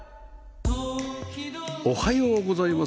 おはようございます。